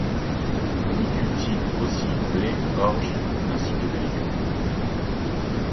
On y cultive aussi blé, orge ainsi que des légumes.